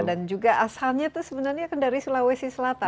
dan juga asalnya itu sebenarnya dari sulawesi selatan